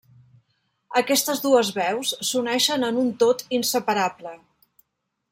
Aquestes dues veus s'uneixen en un tot inseparable.